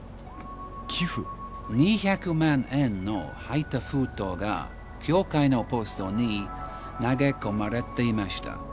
２００万円の入った封筒が教会のポストに投げ込まれていました。